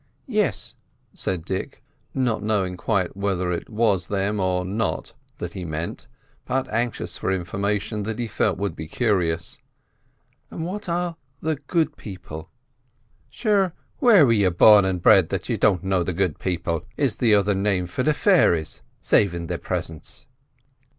"Yes," said Dick, not knowing quite whether it was them or not that he meant, but anxious for information that he felt would be curious. "And what are the good people?" "Sure, where were you born and bred that you don't know the Good People is the other name for the fairies—savin' their presence?"